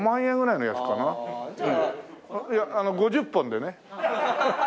いや５０本でね。